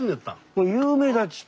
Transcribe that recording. もう有名だっつって。